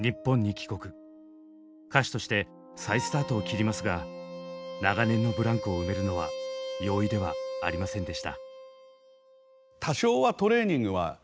歌手として再スタートを切りますが長年のブランクを埋めるのは容易ではありませんでした。